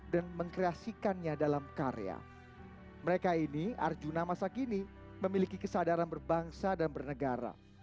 dan mengkreasikannya dalam karya mereka ini arjuna masa kini memiliki kesadaran berbangsa dan bernegara